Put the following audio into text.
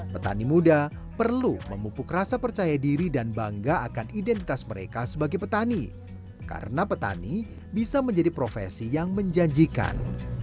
petani muda perlu memupuk rasa percaya diri dan bangga akan identitas mereka sebagai petani karena petani bisa menjadi profesi yang menjanjikan